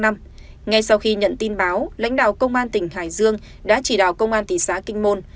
ngay sau khi nhận tin báo lãnh đạo công an tỉnh hải dương đã chỉ đạo công an thị xã kinh môn